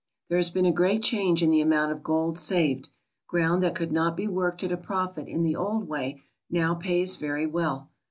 "There has been a great change in the amount of gold saved. Ground that could not be worked at a profit in the old way now pays very well.